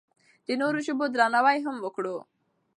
د نورو ژبو درناوی هم وکړو.